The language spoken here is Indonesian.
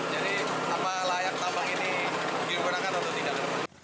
jadi apa layak tambang ini digunakan untuk tingkat ke depan